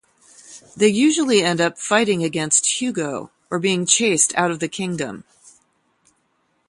They usually end up fighting against Hugo or being chased out of the kingdom.